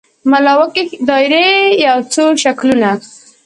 ملا وکښې دایرې یو څو شکلونه